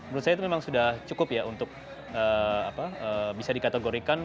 menurut saya itu memang sudah cukup ya untuk bisa dikategorikan